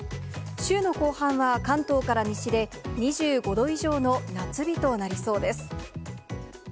週の後半は関東から西で２５度以上の夏日となりそうです。